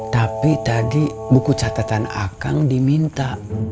tapi tadi buku catatan akang diminta